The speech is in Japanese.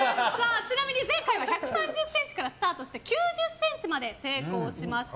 ちなみに前回は１３０ｃｍからスタートして９０ｃｍまで成功しました。